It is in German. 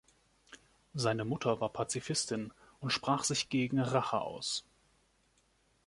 Seine Mutter war Pazifistin und sprach sich gegen Rache aus.